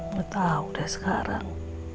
emak tahu deh sekarang